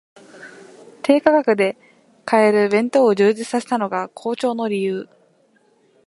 低価格で買える弁当を充実させたのが好調の理由